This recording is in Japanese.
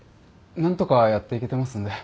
何とかやっていけてますんで。